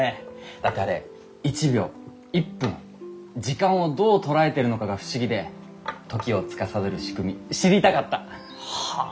だってあれ１秒１分時間をどう捉えてるのかが不思議で時をつかさどる仕組み知りたかった！はあ。